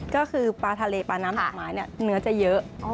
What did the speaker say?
ก็คือปลาทะเลปลาน้ำดอกไม้เนี่ยเนื้อจะเยอะ